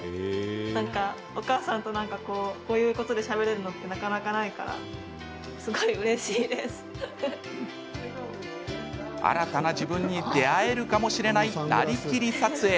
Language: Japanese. なんかお母さんとこういうことでしゃべれるのってなかなかないから新たな自分に出会えるかもしれないなりきり撮影。